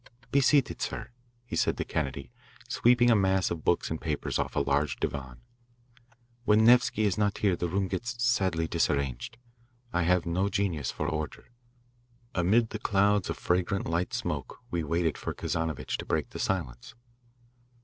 "Be seated, sir," he said to Kennedy, sweeping a mass of books and papers off a large divan. "When Nevsky is not here the room gets sadly disarranged. I have no genius for order." Amid the clouds of fragrant light smoke we waited for Kazanovitch to break the silence.